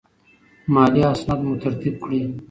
مالي اسناد مو ترتیب کړئ.